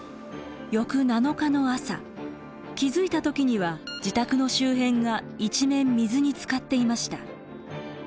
翌７日の朝気付いた時には自宅の周辺が一面水につかっていました。